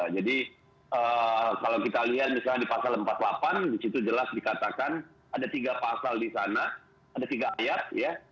jadi kalau kita lihat misalnya di pasal empat puluh delapan disitu jelas dikatakan ada tiga pasal di sana ada tiga ayat ya